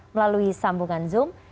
melalui sambungan zoom